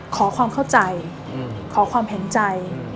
ขอความเข้าใจขอความเห็นใจ